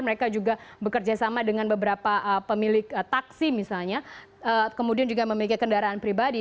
mereka juga bekerja sama dengan beberapa pemilik taksi misalnya kemudian juga memiliki kendaraan pribadi